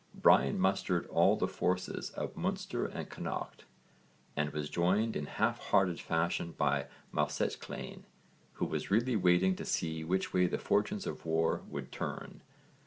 Brian mustered all the forces of Munster and Connaught and was joined in half hearted fashion by Maelsechlainn, who was really waiting to see which way the fortunes of war would turn.